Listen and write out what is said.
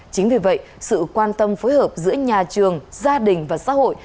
chính vì vậy sự quan tâm phối hợp giữa nhà trường gia đình và xã hội